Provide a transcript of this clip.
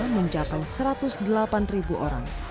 mencapai satu ratus delapan ribu orang